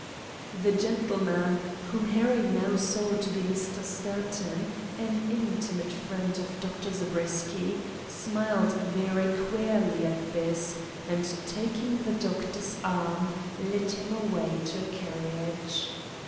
"The gentleman, whom Harry now saw to be Mr. Stanton, an intimate friend of Dr. Zabriskie, smiled very queerly at this, and taking the Doctor's arm led him away to a carriage.